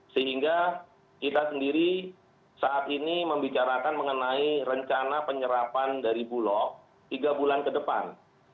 sehingga kita sendiri saat ini membicarakan mengenai rencana penyerapan dari bulog tiga bulan ke depan